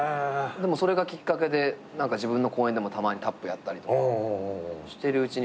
それがきっかけで自分の公演でもたまにタップやったりとかしてるうちに。